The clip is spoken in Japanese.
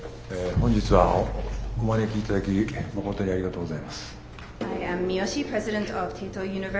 本日はお招きいただきまことにありがとうございます。